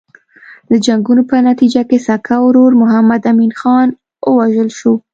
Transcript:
د جنګونو په نتیجه کې سکه ورور محمد امین خان ووژل شو.